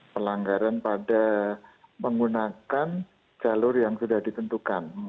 pelanggaran pada menggunakan jalur yang sudah ditentukan